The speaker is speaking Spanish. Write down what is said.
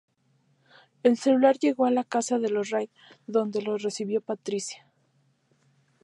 El celular llegó a la casa de los Reid, donde lo recibió Patricia.